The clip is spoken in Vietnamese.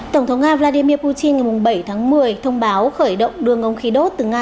tổng thống nga vladimir putin ngày bảy tháng một mươi thông báo khởi động đường ngông khí đốt từ nga